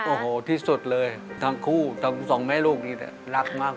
โอ้โหที่สุดเลยทั้งคู่ทั้งสองแม่ลูกนี้รักมาก